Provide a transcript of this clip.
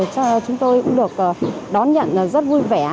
cho chúng tôi cũng được đón nhận rất vui vẻ